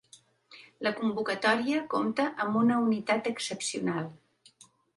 La convocatòria compta amb una unitat excepcional.